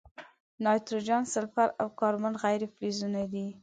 نایتروجن، سلفر، او کاربن غیر فلزونه دي.